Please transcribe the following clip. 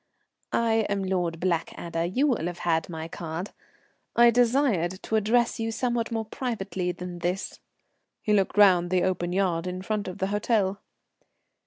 "I am Lord Blackadder; you will have had my card. I desired to address you somewhat more privately than this." He looked round the open yard in front of the hotel.